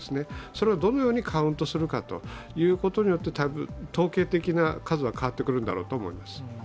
それをどのようにカウントするかによって統計的な数は変わってくるんだろうと思います。